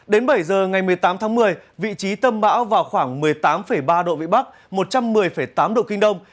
đến bảy giờ ngày một mươi tám tháng một mươi vị trí tâm bão vào khoảng một mươi tám ba độ vĩ bắc một trăm một mươi tám độ kinh đông